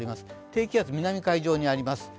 低気圧、南海上にあります。